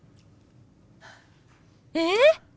えっ！？